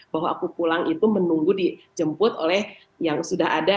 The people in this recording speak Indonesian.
bahwa aku pulang itu menunggu dijemput oleh yang sudah ada